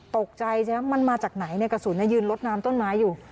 ตกใจสิครับมันมาจากไหนในกระสุนยืนลดน้ำต้นไม้อยู่